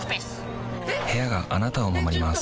部屋があなたを守ります